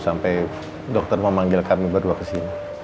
sampai dokter mau manggil kami berdua kesini